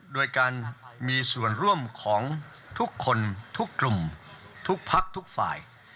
โดยการมีส่วนร่วมของทุกคนทุกกลุ่มทุกพักทุกฝ่าย